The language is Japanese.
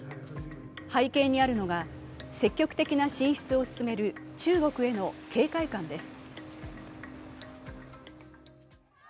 背景にあるのが積極的な進出を進める中国への警戒感です。